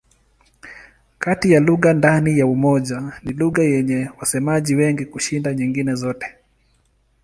Kati ya lugha ndani ya Umoja ni lugha yenye wasemaji wengi kushinda nyingine zote.